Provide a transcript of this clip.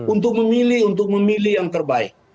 untuk memilih untuk memilih yang terbaik